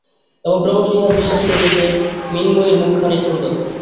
এবং ক্রমশ ইহাও বিশ্বাস করিলেন যে, মৃন্ময়ীর মুখখানি সুন্দর।